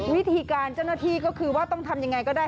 วิธีการเจ้าหน้าที่ก็คือว่าต้องทำยังไงก็ได้